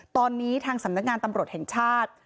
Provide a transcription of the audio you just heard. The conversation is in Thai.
ตอนนี้ทางสำนักงานตำรวจแห่งชาติ